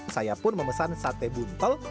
saya pun memesan sate buntol